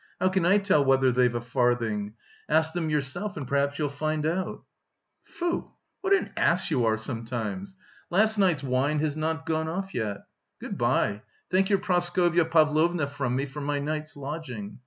"How can I tell whether they've a farthing? Ask them yourself and perhaps you'll find out...." "Foo! what an ass you are sometimes! Last night's wine has not gone off yet.... Good bye; thank your Praskovya Pavlovna from me for my night's lodging.